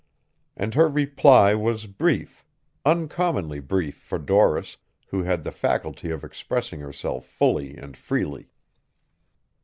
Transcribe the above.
And her reply was brief, uncommonly brief for Doris, who had the faculty of expressing herself fully and freely.